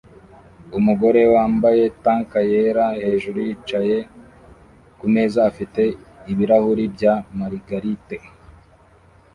Umugore wambaye tank yera hejuru yicaye kumeza afite ibirahuri bya Margarita